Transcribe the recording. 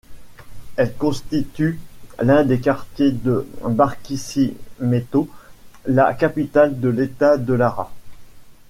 Elle constitue l'un des quartiers de Barquisimeto, la capitale de l'État de Lara.